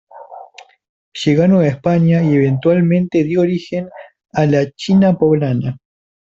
Llegó a Nueva España y eventualmente dio origen a la "China Poblana".